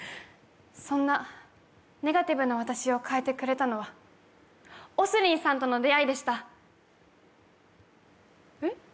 そんなネガティブな私を変えてくれたのはＯＳＲＩＮさんとの出会いでしたえっ？